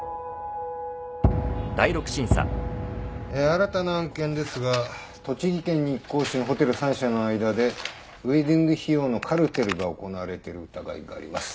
新たな案件ですが栃木県日光市のホテル３社の間でウエディング費用のカルテルが行われてる疑いがあります。